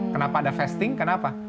kenapa ada fasting kenapa